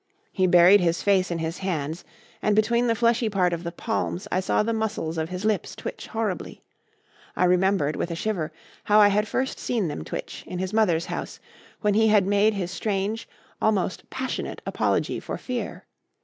He buried his face in his hands, and between the fleshy part of the palms I saw the muscles of his lips twitch horribly. I remembered, with a shiver, how I had first seen them twitch, in his mother's house, when he had made his strange, almost passionate apology for fear.